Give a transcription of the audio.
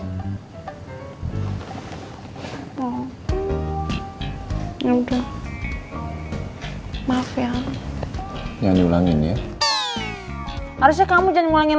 harusnya kamu jangan lagi rasa kamu minta maaf sama aku nggak mau gitu sembuhan